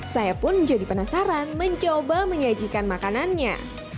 saya pun jadi penasaran mencoba menyajikan makanannya